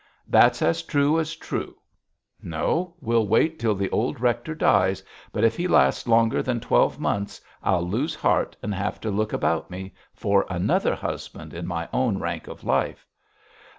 That's as true as true. No! we'll wait till the old rector dies, but if he lasts longer than twelve months, I'll lose heart and have to look about me for another husband in my own rank of life.'